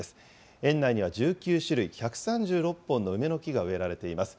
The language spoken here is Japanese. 園内には１９種類１３６本の梅の木が植えられています。